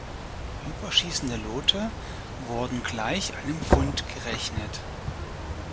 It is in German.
Überschießende Lote wurden gleich einem Pfund gerechnet.